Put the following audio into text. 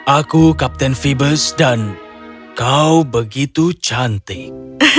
aku kapten phoebus dan kau begitu cantik